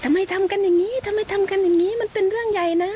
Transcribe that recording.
ทำไมทำกันอย่างนี้ทำไมทำกันอย่างนี้มันเป็นเรื่องใหญ่นะ